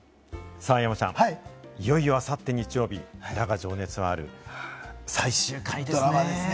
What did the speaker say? さぁ、山ちゃん、いよいよあさって日曜日、『だが、情熱はある』が最終回ですね。